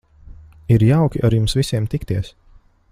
Ir jauki ar jums visiem tikties.